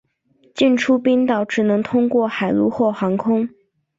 进出冰岛只能通过海路或航空。